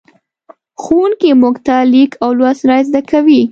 ښوونکی موږ ته لیک او لوست را زدهکوي.